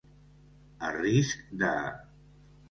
A risc de.